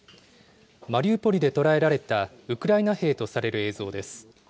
マリウポリで捕らえられたウクライナ兵とされる映像です。